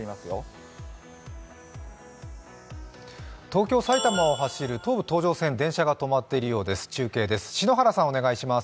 東京、埼玉を走る東武東上線電車が止まっているようです。